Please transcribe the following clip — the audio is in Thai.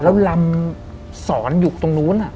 แล้วลำสอนอยู่ตรงนู้น